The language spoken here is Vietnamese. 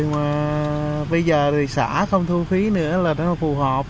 nhưng mà bây giờ thì xã không thu phí nữa là nó phù hợp